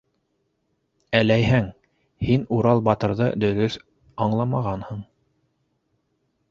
Әләйһәң, һин «Урал батыр»ҙы дөрөҫ аңламағанһың.